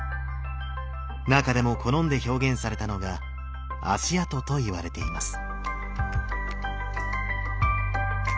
中でも好んで表現されたのが足跡といわれています。